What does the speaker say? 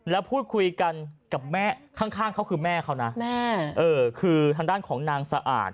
แล้วพูดคุยกันกับแม่ข้างเขาคือแม่เขานะแม่เออคือทางด้านของนางสะอาด